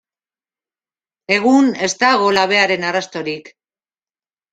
Egun, ez dago labearen arrastorik.